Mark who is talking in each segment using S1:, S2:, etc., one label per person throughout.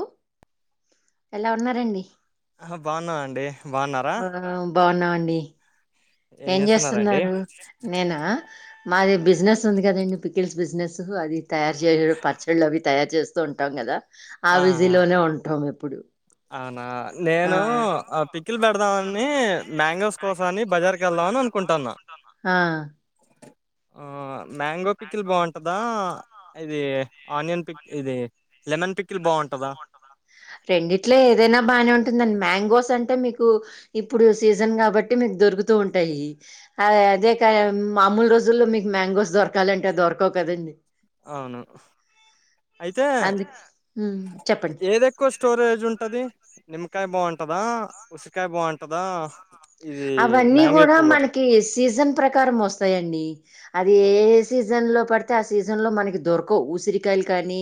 S1: Hello ఎలా ఉన్నారండి
S2: ఆ బాగున్నామండి బాగున్నారా
S1: ఆ బాగున్నామండి ఏం చేస్తున్నారు నేనా మాది బిజినెస్ ఉంది కదండి పికిల్స్ బిజినెస్ అది తయారు చేయిడు పచ్చళ్ళ అవి తయారు చేస్తూ ఉంటాం కదా ఆ బిజిలోనే ఉంటాం ఎప్పుడు
S2: అవునా
S1: ఆ
S2: నేను ఆ పిక్కిలు పెడదామని మ్యాంగోస్ కోసామని బజార్కి వెళ్దామని అనుకుంటున్నా
S1: ఆ
S2: ఆ మ్యాంగో పికిల్ బాగుంటందా ఇది ఆనియన్ పిక్ ఇది లెమన్ పిక్
S1: రెం ఇట్లే ఏదైనా బాగానే ఉంటుందండి మ్యాంగోస్ అంటే మీకు ఇప్పుడు సీజన్ కాబట్టి మీకు దొరుకుతూ ఉంటాయి అదే కాయ మామూలు రోజుల్లో మీకు మ్యాంగోస్ దొరకాలంటే దొరకవు కదండి
S2: అవును అయితే
S1: అందు చెప్పండి
S2: ఏదేక్కువ స్టోరేజ్ ఉంటది నిమ్మకాయ బాగుంటదా ఉసిరికాయ బాగుంటదా ఇది
S1: అవన్నీ
S2: మ్యాంగో
S1: కూడా
S2: ఎక్కువ
S1: మనకి సీజన్ ప్రకారం వస్తాయండి అది ఏఏ సీజ సీజన్ లో పడితే ఆ సీజన్ లో మనకి దొరకవు ఉసిరికాయలు కానీ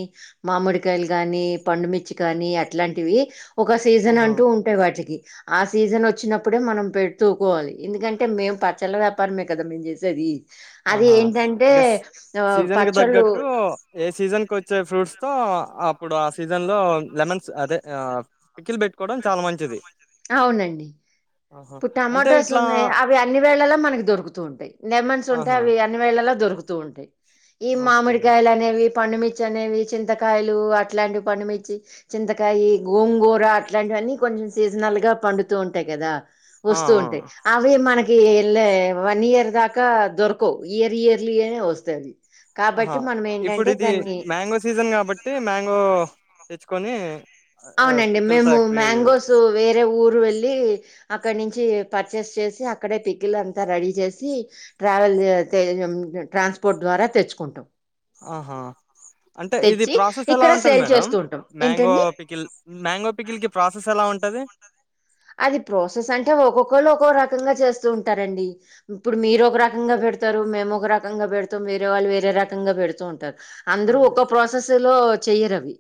S1: మామిడికాయలు కానీ పండుమిచి చ్చి కానీ అట్లాంటివి ఒక సీసన్
S2: ఆహా
S1: అంటూ ఉంటాయి వాటికి ఆ సీస న్ వచ్చినప్పుడే మనం పె తూకోవాలి ఎందుకంటే మేము పచ్చళ్ళ వ్యాపారమే కదా మేము చేసేది అది
S2: ఆహా
S1: ఏంటంటే
S2: ఇక
S1: ఆ
S2: సీజన్ కి
S1: పచ్చళ్ళు
S2: తగ్గట్టు ఏ సీజన్ కి వచ్చే ఫ్రూట్స్తో అప్పుడు ఆ సీజన్లో లెమన్స్ అదే పికిల్ పెట్టుకోవడం చాలా మంచిది
S1: అవునండి
S2: ఆహా
S1: ఇప్పుడు
S2: అంటే
S1: టమాటోస్
S2: ఇట్లా
S1: ఉన్నాయి అవి అన్ని వేళలా మనకి దొరుకుతూ ఉంటాయి నెమ ఉంటయి
S2: ఆహా
S1: అవి అన్ని వేళ్ళలో దొరుకుతూ ఉంటాయి ఈ
S2: ఓకే
S1: మామిడికాయలు అనేవి పండుమిర్చి అనేవి చింతకాయలు అట్లాంటివి పండుమిర్చి చింతకాయి గోంగూర అట్లాంటి కానీ కొంచం సీజనల్ గా పండుతూ ఉంటాయి కదా
S2: ఆ
S1: వస్తూ
S2: ఆ
S1: ఉంటాయి అవి మన ఇళ్లే వన్ ఇయర్ దాకా దొరకవ్ ఇయర్ ఇయర్లీనే వస్తాది
S2: ఆహా ఇప్పుడు ఇది మ్యాంగో సీజన్ కాబట్టి మ్యాంగో తెచ్చుకొని
S1: అవునండి
S2: పికిల్ త
S1: మేము
S2: క్రియేట్ చేయడం
S1: మ్యాంగోస్ వేరే ఊరు వెళ్ళి అక్కడ నుంచి పర్చేస్ చేసి అక్కడే టిక్కిలు అంతా రెడీ చేసి ట్రావెల్ ట్రాన్స్పోర్ట్ ద్వారా తెచ్చుకుంటాం
S2: ఆహా అంటే ఇది
S1: తెచ్చి
S2: ప్రాసెస్ ఎలా
S1: ఇక్కడ
S2: ఉంటది
S1: సేల్
S2: మేడం
S1: చేస్తూ ఉంటాం.
S2: మ్యాంగో
S1: ఏంటండి
S2: పికిల్ మ్యాంగో పికిల్ కి ప్రాసెస్ ఎలా ఉంటది
S1: అది ప్రాసెస్ అంటే ఒక్కొక్కళ్ళు ఒక్కొక్క రకంగా చేస్తూ ఉంటారండి ఇప్పుడు మీరు ఒక రకంగా పెడతారు మేము ఒక రకంగా పెడతం వేరేవాళ్లు వేరేరకంగా రకంగా పెడుతూ ఉంటారు అందరూ
S2: ఆహా.
S1: ఒక ప్రాసెస్ లో చెయరవి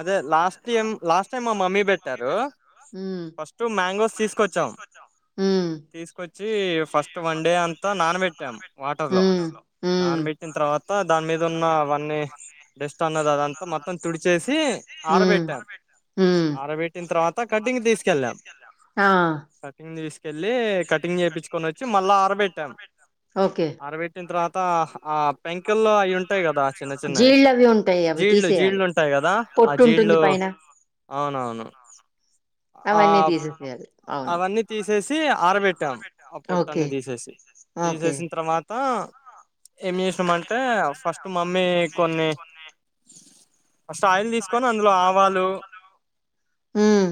S2: అదే లాస్ట్ ఏం లాస్ట్ టైం మా మమ్మీ పెట్టారు
S1: హ్మ్.
S2: ఫస్ట్ టూ మ్యాంగోస్ తీసుకొచ్చాం
S1: హ్మ్.
S2: తీసుకొచ్చి ఫస్ట్ వన్ డే అంతా నానబెట్టాం వాటర్ లో
S1: హ్మ్. హ్మ్.
S2: నానబెట్టిన తర్వాత దాని మీద ఉన్న పన్ని డెస్ట్ అన్నది అదంతా మొత్తం తుడిచేసి
S1: హ్మ్.
S2: ఆరబెట్టాం
S1: హ్మ్.
S2: ఆరబెట్టిన తర్వాత కటింగ్ తీసుకెళ్ళాం
S1: ఆ
S2: కటింగ్ తీసుకెళ్ళి కటింగ్ చేపిచ్చుకొనివచ్చి మళ్ళా ఆరబెట్టాం
S1: ఓకే
S2: ఆరబెట్టిన తర్వాత అ ఆ పెంకల్లో అయి ఉంటాయి కదా చిన్న చిన్నవి
S1: జీళ్ళు అవి ఉంటాయి అవి
S2: జీళ్ళలు
S1: తీసేయాలి
S2: జీళ్లు ఉంటా వస్తాయి కదా ఆ
S1: పొట్టు ఉంటుంది
S2: జీళ్లు
S1: పైన
S2: అవునవును ఆ
S1: అవన్నీ తీసేసేయాలి అది
S2: అవన్నీ తీసేసి ఆరబెట్టాం ఆ పొట్ట
S1: ఓకే
S2: అన్ని తీసేసి
S1: ఓకే
S2: తీసేసిన తర్వాత ఏమి చేసినాం అంటే ఫస్ట్ మమ్మీ కొన్ని ఫస్ట్ ఆయిల్ తీసుకొని అందులో ఆవాలు
S1: ఉమ్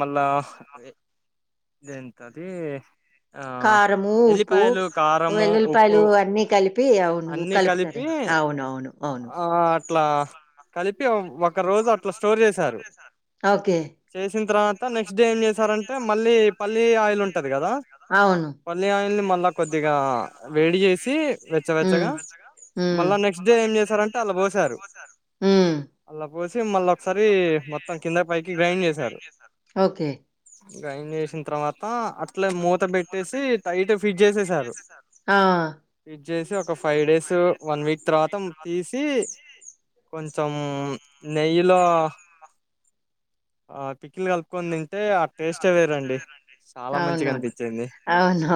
S2: మళ్ళా ఇదంత అది ఆ
S1: కారము ఉప్పు
S2: ఎల్లిపాయలు కారము ఉప్పు
S1: వెల్లుల్లిపాయలు అన్ని కలిపి అవును అన్నీ
S2: అన్ని కలిపి
S1: కలుపుతారండి అవును అవును అవును
S2: ఆ అట్లా కలిపి ఒక రోజు అట్లా స్టోర్ చేశారు
S1: ఓకే
S2: చేసిన తర్వాత నెక్స్టడే ఏం చేశారంటే మళ్ళీ పల్లి ఆయిల్ ఉంట కదా పల్లి ఆయిల్ని మళ్ళా కొద్దిగా వేడి చేసి
S1: గా
S2: వెచ్చవెచ్చగా
S1: మళ్ళ నెక్స్ట్ డే ఏం చేారంటే వాళ్ళు పోసారు
S2: అలా పోసి
S1: తప్ప
S2: మళ్ళీ
S1: మళ ఒకసారి మొత్తం
S2: పైకి
S1: కింద పై
S2: గ్రైండ్ చేశారు
S1: గ్రైడ్ చేసారు ఓకే
S2: గ్రైండ్ చేసిన తర్వాత అట్లా మూత పెట్టేసి టైట్ ఫిట్ చేసేసారు.
S1: ఆ
S2: ఫడ్ చేసి ఒక ఫైవ్ డేస్ వన్ వీక్ తర్వాత తీసి కొంచెం నెయ్యిలో ఆ పికిలు కలుపుకొని తింటే ఆ టేస్టే వేరండి చాలా మంచిగా
S1: అవునువును
S2: అనిపించింది
S1: అవును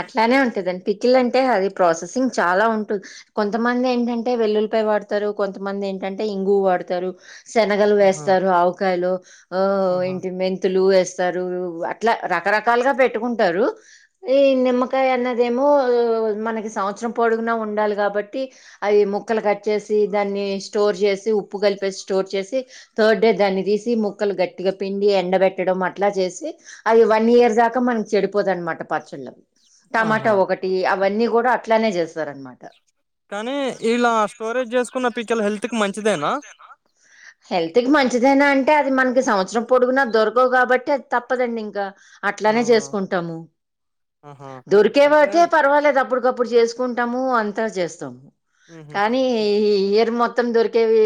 S1: అట్లానే ఉంటాదండి పికిల్ అంటే అది ప్రాసెసింగ్ చాలా ఉంటుంది కొంతమంది ఏంటంటే వెల్లులిపాయ వాడతారు కొంతమంది ఏంటంటే ఇంగువు వాడతారు. శనగలు
S2: ఆహా
S1: వేస్తారు ఆవకాయలో ఆ
S2: ఆహా
S1: ఏంటి మెంతులు వేస్త అట్లా రకరకాలుగా పెట్టుకుంటారు ఈ నిమ్మకాయ అన్నదేమో మనకి సవంత్సరం పొడుగునా ఉండాలి కాబట్టి అయి ముక్కలు కట్ చేసి దాన్ని స్టోర్ జె ఉప్పు కలిపేసి స్టోర్ చేసి థర్డ్ డే దాన్ని తీసి ము ముక్కలు గట్టిగా పిండి ఎండబెట్టడం అట్లా చేసి అవి వన్ ఇయర్ దాకా మనకి చెడిపోదనమాట పచ్చళ్లు
S2: ఆహా
S1: టమాటా ఒకటి అవన్నీ కూడా అట్లానే చేస్తార అనమాట
S2: కానీ ఇలా స్టోరేజ్ చేసుకున్న పికేలే హెల్త్ కి మంచిదేనా!?
S1: హెల్త్ కి మంచిదైనా అంటే అది మనకి సంవత్సరం పొడుగున దొరకవు కాబట్టి అది తప్పదండి ఇంకా అట్లానే
S2: ఆహా
S1: చేసుకుంటాము
S2: ఆహా
S1: దొరికే
S2: అంటే
S1: వాకే పర్వాలేదు అప్పుడు గప్పుడు అప్పుడు చేసుకుంటాము అంతా చేస్తాము
S2: ఉహు
S1: కానీ ఈ ఇయర్ మొత్ మొత్తం దొరికేవి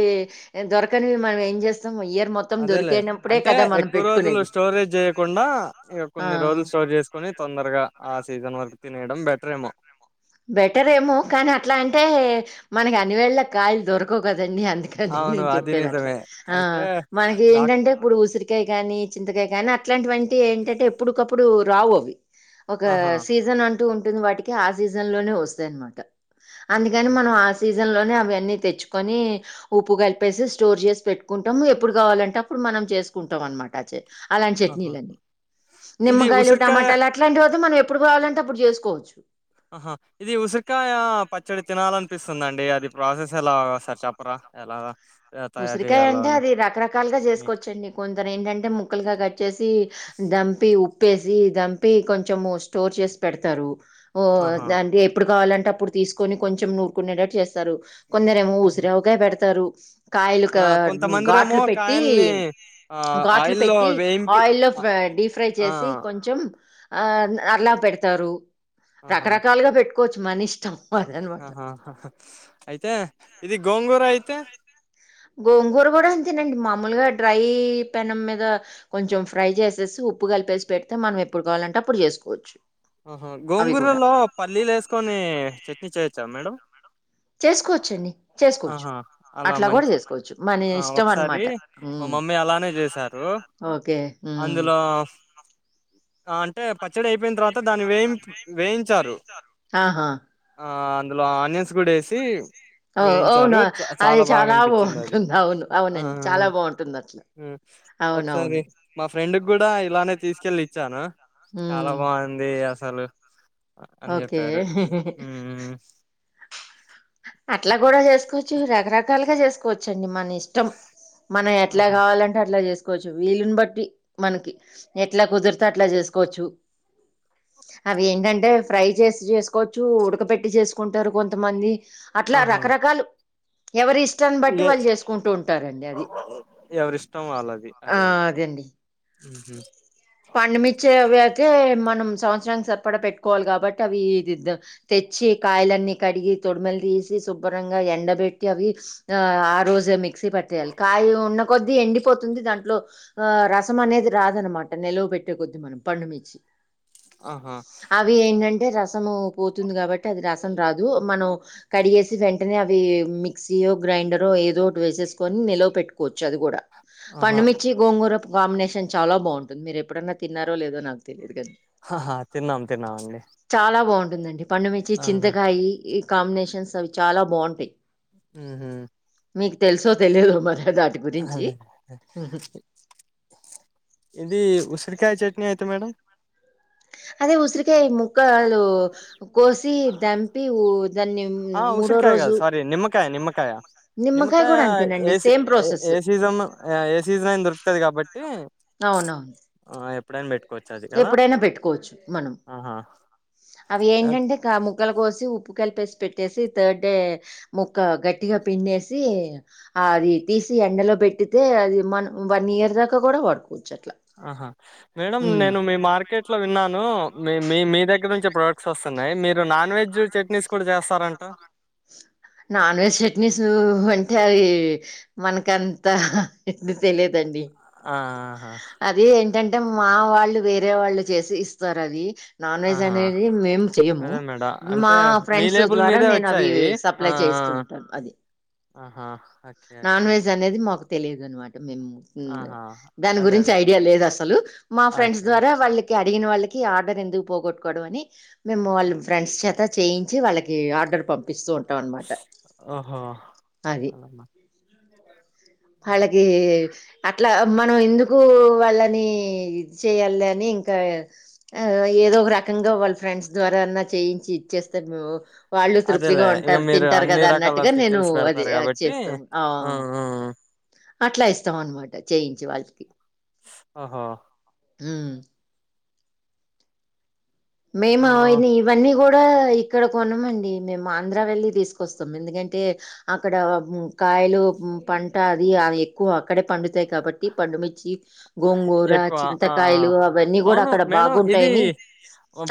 S1: దొరకనివి మనం ఏం చేస్తాం ఇయర్ మొత్తం దొరి
S2: అదేలే అంటే ఎక్కువ రోజులు స్టోరేజ్ చేయకుండా ఇగ
S1: ఆ
S2: కొన్ని రోజులు స్టోర్ చేసుకొని తొందరగా ఆ సీజన్ వరకూతినేయాడోమ్ బేటారేమో
S1: బెటర్ ఏమో కానీ అట్లా అంటే మనకి అన్నివేళ్ళ కాయలు దొరకవు కదా అందుకని నే
S2: అవును అది
S1: చెప్పేది అట్లా
S2: నిజమే
S1: ఆ
S2: అయితే
S1: మనకి
S2: డాక్
S1: ఏంటంటే ఇప్పుడు ఉసిరి కాయ గానీ, చింతకాయ గాని అట్లాంటివంటివి ఏంటంటే ఎప్పుటికప్పుడు రావు అవి. ఒక
S2: ఆహా
S1: సీజన్ అంటూ ఉంటుంది వాటికి ఆ సీజన్ లోనే వస్తాయి అనమాట. అందుకని మనం
S2: అదే
S1: ఆ సీజన్ లోనే అవన్నీ తెచ్చుకొని ఉప్పు కలిపేసి స్టోర్ చేసి పెట్టుకుంటము, ఎప్పుడు కావాలంటే అప్పుడు మనం చేసుకుం టం అనమాట అచ అలాంటి
S2: ఆహా
S1: చట్నీలన్నీ.
S2: ఇది
S1: నిమ్మకాయలు,
S2: ఉసిరికాయ
S1: టమాటాలు అట్లాటివి అవుతే మనం ఎప్పుడు కావాలంటే అప్పుడు చేసుకోవచ్చు.
S2: ఆహా ఇది ఉసిరికాయ పచ్చడి తినాలనిపిస్తుందండి. అది ప్రాసెస్ ఎలా ఒసారి చెప్పరా ఎలా. ఆహ్, తయారు
S1: ఉసిరికాయ
S2: చేయాలో
S1: అంటే
S2: అని
S1: అది రకరకాలుగా
S2: మీకు
S1: చేసుకోవచ్చండి. కొందరు ఏంటంటే ముక్కలుగా కట్ చేసి ధంపి ఉ ఉప్పేసి దంపి కొంచం స్టోర్ చేసి పెడతరు. ఓ
S2: ఆహా
S1: దాన్ది ఎప్పుడు కావాలం టే అప్పుడు తీసుకొని కొంచెం నూరుకునేటట్టు చేస్తారు. కొందరు ఏమో
S2: ఆహా!
S1: ఉసిరావకాయ పెడతరు. కాయలు ఘ
S2: ఆ కొంతమందిరేమో
S1: ఘాట్లు పెట్టి
S2: కాయల్ని ఆ
S1: ఘాట్లు
S2: ఆయిల్లో
S1: పెట్టి
S2: వేయింపి
S1: ఆయిల్లో
S2: అ
S1: డీ ఫ్రై
S2: ఆ
S1: చేసి కొంచెం ఆ అర్లా పెడతారు
S2: ఆహా
S1: రకరకాలుగా పెట్టుకోవచ్చు మన ఇష్టం. అదనమాట
S2: ఆహా అయితే ఇది గోంగూర అయితే
S1: గోంగూర కూడా అంతేనండి మామూలుగా డ్రై పెనం మీద కొంచెం ఫ్రై చేసేసు ఉప్పు కలిపేసి పెడితే మనం ఎప్పుడు కావాలంటే అప్పుడు చేసుకోవచ్చు.
S2: ఆహా
S1: అవి కూడా
S2: గోంగూరలో పల్లీలు వేసుకొని
S1: గోంగూరతోనే
S2: చట్నీ చేయొచ్చా మేడం.
S1: చేసుకోవచ్చండి. చేసుకోవచ్చు
S2: ఆహా అలా
S1: అట్లా కూడా
S2: మంచి
S1: చేసు కోచ్చు మన
S2: ఆ
S1: ఇష్టం
S2: ఒకసారి
S1: అనమాట.
S2: మా మమ్మీ అలానే చేశారు
S1: ఓకే హ్
S2: అందులో ఆ అంటే పచ్చడి అయిపోయిన తర్వాత దాన్ని వేయింపు వేయి వేయించారు
S1: ఆహా
S2: ఆ అందులో ఆనియన్స్ కూడా వేసి
S1: ఓ
S2: వేయించారు
S1: అవును
S2: చ
S1: అది
S2: చాలా బాగా అనిపించింది అది
S1: బాగుంటుంది అవును
S2: ఆ
S1: అవునండి చాలా బాగుంటుంది అట్లా
S2: ఒకసారి
S1: అవునవును
S2: మా ఫ్రెండ్కి కూడా ఇలానే తీసుకెళ్ళి ఇచ్చాన
S1: హ్
S2: ది అసలు అని చెప్పారు.
S1: ఓకే
S2: హ్
S1: అట్లా కూడా చేసుకోవచ్చు రకరకాలుగా చేసుకోవచ్చండి మని ష్టం మనం ఎట్లా
S2: ఆహా
S1: కావాలంటే అట్లా చేసు కోవచ్చు వీళుని బట్టి మనకి ఎట్లా కుదరితే అట్లా చేసుకోవచ్చు. అవి ఏంటంటే ఫ్రై చేసి చేసుకోవచ్చు, ఉడక పెట్టి చేసుకుంటారు కొంతమంది. అట్లా
S2: ఆహా
S1: రకరకాలు ఎవరి ఇష్టాన్ని
S2: ఇగ
S1: బట్టి వాళ్ళు చేసుకుంటూ ఉంటారండి అది.
S2: ఎవరిష్టం వాళ్ళది
S1: ఆ
S2: అదేలే
S1: అదేండి
S2: ఉహు
S1: పండుమిర్చి అవి అయితే మ నం సంవత్సరానికి సరిపడా పెట్టుకోవాలి కాబట్టి అవి ఇది తెచ్చి కాయలన్నీ కడిగి తొడిమల్ తీ తీసి సుబరంగా ఎండబట్టి అవి ఆ రోజే మిక్సీ పట్టేయాలి కాయ ఉన్న కొద్ది ఎండి ఎండిపోతుంది, దాంట్లో ఆ రసం అనేది రాదనమాట నిల్వ పెట్టేకొద్దీ మనం పండుమిర్చి.
S2: ఆహా
S1: అవి ఏంటంటే రసము పోతుంది కాబట్టి అది రస రాదు మనం కడిగేసి వెంటనే అవి మిక్సీయో, గ్రైండర్ ఏదో ఒకటి వేసేసుకొని నిల్వ పెట్టుకోవచ్చు అది కూడా,
S2: ఆహా
S1: పండుమిచ్చి గోంగూర కాంబినేషన్ చాలా బావుంటుంది. మీరు ఎప్పుడన్నా తిన్నారో లేదో నాకు తెలియదు కానీ.
S2: ఆహా తిన్నాం తిన్నామండి.
S1: ఉంటుందండి. పండుమిచ్చి చింతకాయ ఈ కాంబినేషన్స్ అవి చాలా బావుంటాయి.
S2: ఆహా
S1: మీకు తెలుసో తెలియదో మరి దాటి గురించి.
S2: అదే ఇది ఉసిరికాయ చట్నీ అయితే మేడం.
S1: అది ఉసిరికాయ ముక్కాలు కోసి దంపి ఊ దాన్ని
S2: ఆ
S1: మూడో
S2: ఉసిరికాయ కాదు
S1: రోజు
S2: సారీ నిమ్మకాయ నిమ్మకాయ.
S1: నిమ్మకాయ
S2: నిమ్కా
S1: గూడా
S2: ఏ
S1: అంతేనండి సేమ్
S2: ఏ
S1: ప్రాసెస్.
S2: ఏ సీజన్ ఏ సీజన్ అంద
S1: అవునవును
S2: ఆ ఎప్పుడైనా పెట్టుకోవచ్చు అది కదా
S1: ఎప్పుడైనా పెట్టుకోవచ్చు మనం
S2: ఆహా
S1: అవి ఏంటంటే కా ముక్కలు కోసి ఉప్పు కలిపేసి పెట్టేసి థర్డ్ డే ముక్క గట్టిగా పిండేసి అది తీ ఎండలో పెట్టితే అది మ వన్ ఇయర్ దాకా కూడా పడుకోవచ్చుట్
S2: ఆహా మేడం నేను మీ మార్కెట్ లో విన్నాను మీ మీ మీ దగ్గర నుంచ ప్రోడక్ట్ వస్తున్నాయి మీరు నాన్ వెజ్ చట్నీస్ కూడా చేస్తారంట
S1: నాన్ వెజ్ చట్నీస్ అంటే అది మనకంతా చట్నీ తెలియదండి
S2: ఆ ఆహా
S1: అది ఏంటంటే మా వాళ్ళు వేరే వాళ్ళు చేసి ఇస్తారు అది నాన్ వెజ్
S2: ఆహా
S1: అనేది మేము చెయము
S2: అదే మేడం అంటే
S1: మా
S2: మీ
S1: ఫ్రెండ్స్
S2: లేబుల్
S1: ద్వారా
S2: మీదే
S1: నేను అవి
S2: వచ్చాయి
S1: స
S2: ఆ ఆ
S1: అప్లై చేస్తూ ఉంటాను అది
S2: ఆహా ఓకే
S1: నాన్
S2: ఓకే
S1: వెజ్ అనేది మాకు తెలియదు అనమాట మేము
S2: ఆహా
S1: దాని
S2: అదే
S1: గురించి
S2: అదే
S1: ఐడియా లేదు అసలు మా ఫ్రెండ్స్
S2: ఓకే ఓకే
S1: ద్వారా వాళ్ళకి అడిగిన వాళ్ళకి ఆర్డర్ ఎందుకు పోగొట్టుకోవడం అని మేము వాళ్ళ ఫ్రెండ్స్ చేత చేయించి వాళ్ళకి ఆర్డర్ పంపిస్తూ ఉంటాం ట్టనమాట
S2: ఓహో
S1: అది
S2: అలా
S1: అలాగే అట్లా మనం ఎందుకు వాళ్ళని ఇది చేయాలి అని ఇంకా ఆ ఏదో ఒక రకంగా వాళ్ళ ఫ్రెండ్స్ ద్వారా అన్నా చేయించి ఇచ్చేస్తారు మేము వాళ్ళు తృప్తిగా
S2: అదేలే ఇక
S1: ఉంటారు
S2: మీరు
S1: తింటారు
S2: అన్ని
S1: కదా
S2: రకాల
S1: అన్నట్టుగా నేను
S2: పికిల్స్
S1: అది
S2: పెడతారు కాబట్టి
S1: చేస్తాను
S2: ఆ ఆ
S1: అట్లా ఇస్తాం అనమాట చేయించి వాళ్ళకి
S2: ఓహో
S1: అ
S2: ఆ
S1: మేముని ఇవన్నీ కూడా ఇక్కడ కొన్నాంండి మేము ఆంధ్ర వెళ్లిి తీసుకొస్తాం ఎందుకంటే అక్కడ కాయలు పంట అది అవి ఎక్కువ అక్కడే పండుతాయి కాబట్టి పండుమిచ్చి గోంగూర
S2: ఎక్కువ ఆ ఆ.
S1: చింతకాయలు అవన్నీ కూడా
S2: అవును
S1: అక్కడ
S2: మేడం ఇది
S1: బాగుంటాయని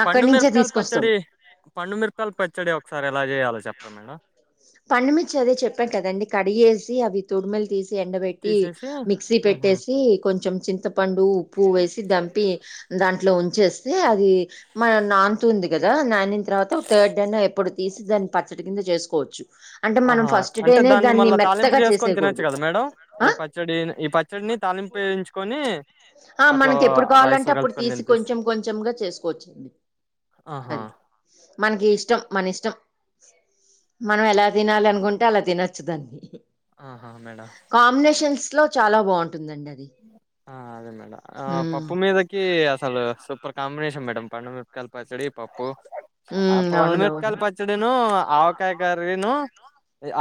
S2: పండు
S1: అక్కడి నుంచే
S2: మిరకాయలు
S1: తీసుకొస్తాం
S2: పచ్చడి పండుమిిరపకాయలు పచ్చడి ఒకసారి ఎలా చేయాలో చెప్పరా మేడం
S1: పండుమిర్చి అదే చెప్పాను కదండి కడిగేసి అవి తొడుమిలి తీసి ఎండబెట్టి
S2: తీసేసి
S1: మిక్సీ
S2: ఉహు
S1: పెట్టేసి కొంచెం చింతపండు పువ వేసి దంపి దాంట్లో ఉ చేస్తే అది మన నాన్తు ఉంది కదా నానిన తర్వాత థర్డ్ నా ఎప్పుడు తీసి దాని పచ్చ ఇటి కింద చేసుకోవచ్చు అంటే మనం
S2: ఆహా
S1: ఫస్ట్
S2: అంటే
S1: డేనే
S2: దాన్ని మళ్ళా తాలింపు
S1: మెత్తగా
S2: చేసుకొని తినొచ్చు
S1: చేసేయకూడదు
S2: కదా మేడం
S1: ఆ
S2: ఈ పచ్చడి ఈ పచ్చడిని తి లిపోగించుకొని
S1: ఆ మనకి ఎప్పుడు కావాలంటే అప్పుడు తీసి
S2: తినిపిస్
S1: కొంచెం కొంచెంగా చేసుకోవచ్చండి
S2: ఆహా
S1: అది మనకి ఇష్టం మన ఇష్టం మనం ఎలా తినాలి అనుకుంటే అలా తినొచ్చు దాన్ని
S2: ఆహా మేడం
S1: ఇట్ లో చాలా బాగుంటుందండి అది
S2: ఆ అదే మేడం పప్పు మీదకి అసలు సూపర్ కాంబినేషన్ మేడం పండుమికాయ పచ్చడి పప్పు ఆ
S1: హ్మ్. అవునవును.
S2: పండుమిరపకాయ పచ్చడిను ఆవకాయ కర్రీను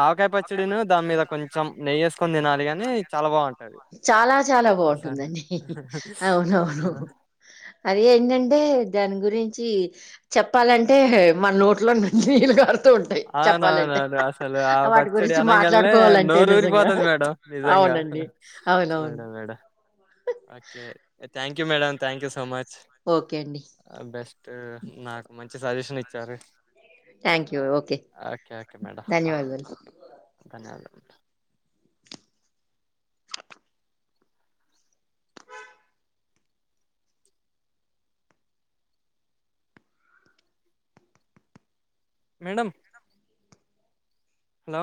S2: ఆవకాయ పచ్చడిను
S1: ఆయచ్చడనా దాని మీద
S2: కొంచెం నెయ్యేసుకొని
S1: కొంచెంస్తా
S2: తినాలి గాని
S1: నే
S2: చాలా బాగుంటది
S1: అని చాలా చాలా
S2: అసలు
S1: బాగుంటుందండి అవునవును
S2: ఆ
S1: అది ఏంటంటే దాని గురించి చెప్పాలంటే మన నోట్లో నీలు క
S2: అవునవునను అసలు
S1: వాటి
S2: పచ్చడి
S1: గురించి
S2: అనంగల్నే
S1: మాట్లాడుకోవాలంటే
S2: నోరు
S1: నిజంగా.
S2: ఊరిపోతది మేడం నిజంగా
S1: అవునండి. అవునవును.
S2: Madam madam okay thank you మేడ thank you so much
S1: okay అండి
S2: అ నాకు మంచి సజెషన్ ఇచ్చారు
S1: థ్యాంక్ యూ ఓకే
S2: ఓకే
S1: ధన్యవాదాలు
S2: అన్ మేడమ్